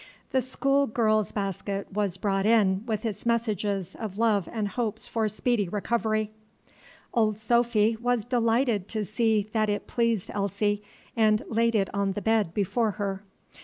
The school girls' basket was brought in with its messages of love and hopes for speedy recovery. Old Sophy was delighted to see that it pleased Elsie, and laid it on the bed before her.